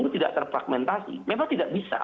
tidak terpragmentasi memang tidak bisa